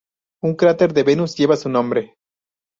Un cráter de Venus lleva su nombre.